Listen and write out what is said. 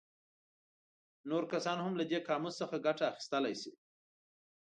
نور کسان هم له دې قاموس څخه ګټه اخیستلی شي.